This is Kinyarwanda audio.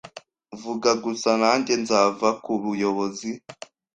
vuga gusa nanjye nzava ku buyobozi. ”